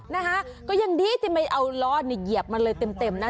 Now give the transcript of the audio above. นะฮะก็ยังดีที่ไม่เอาลอดเหยียบมาเลยเต็มนะ